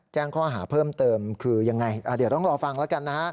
แจ้งข้อหาเพิ่มเติมคือยังไงเดี๋ยวต้องรอฟังแล้วกันนะฮะ